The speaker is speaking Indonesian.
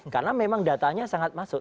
karena memang datanya sangat masuk